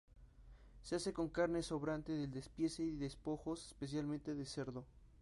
Se hace con carne sobrante del despiece y despojos, especialmente de cerdo.